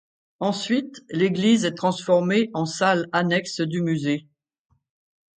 Ensuite l'église est transformée en salle annexe du musée.